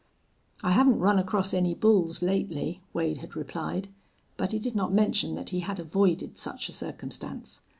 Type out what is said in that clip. "I haven't run across any bulls lately," Wade had replied, but he did not mention that he had avoided such a circumstance.